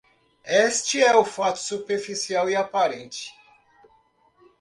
Este é o fato superficial e aparente.